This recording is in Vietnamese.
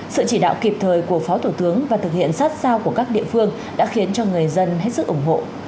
sự chỉ đạo kịp thời của phó thủ tướng và thực hiện sát sao của các địa phương đã khiến cho người dân hết sức ủng hộ